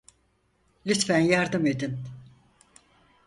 Lütfen yardım edin.